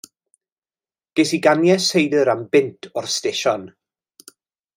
Ges i ganiau seidr am bunt o'r sdesion.